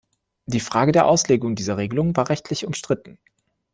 Die Frage der Auslegung dieser Regelungen war rechtlich umstritten.